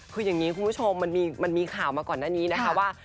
คืออย่างนี้คุณผู้ชมมันมีข่าวมาก่อนหน้านี้นะคะว่า